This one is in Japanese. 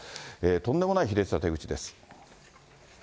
とんでもない卑劣な手口です。